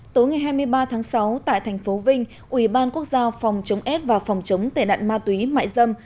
tối ngày hai mươi ba tháng sáu tại thành phố vinh ubnd phòng chống s và phòng chống tệ nạn ma túy mại dâm